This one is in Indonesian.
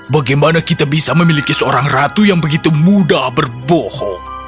bagaimana kita bisa memiliki seorang ratu yang begitu mudah berbohong